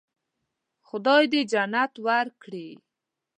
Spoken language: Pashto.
خدای دې جنت ورکړي.